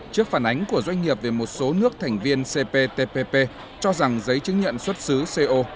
trước phản ánh của doanh nghiệp về một số nước thành viên cptpp cho rằng giấy chứng nhận xuất xứ co